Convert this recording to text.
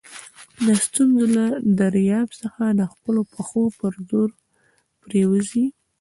د ستونزي له دریاب څخه د خپلو پښو په زور پورېوځئ!